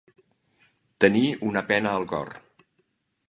Tenir una pena al cor.